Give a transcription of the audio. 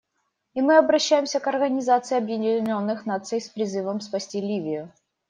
И мы обращаемся к Организации Объединенных Наций с призывом спасти Ливию.